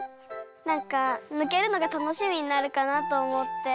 なんかぬけるのがたのしみになるかなとおもって。